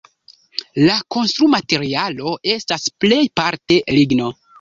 La konstrumaterialo estas plejparte ligno.